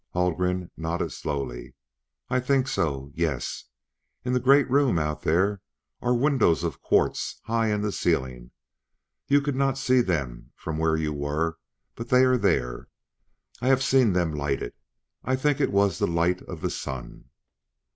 Haldgren nodded slowly. "I think so yes! In the great room out there are windows of quartz high in the ceiling. You could not see them from where you were, but they are there. I have seen them lighted; I think it was the light of the sun."